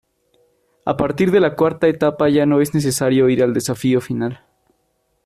A partir de la cuarta etapa ya no es necesario ir al Desafío Final.